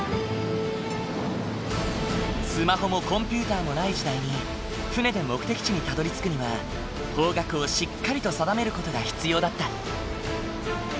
スマホもコンピューターもない時代に船で目的地にたどりつくには方角をしっかりと定める事が必要だった。